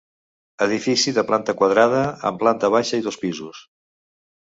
Edifici de planta quadrada, amb planta baixa i dos pisos.